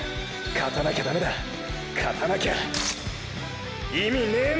勝たなきゃダメだ勝たなきゃ意味ねェんだ！！